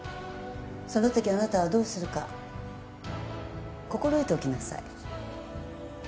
そのときあなたはどうするか心得ておきなさい。